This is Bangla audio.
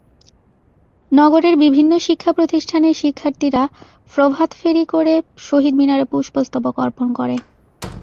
নগরের বিভিন্ন শিক্ষাপ্রতিষ্ঠানের শিক্ষার্থীরা প্রভাত ফেরি করে শহীদ মিনারে পুষ্পস্তবক অর্পণ করে।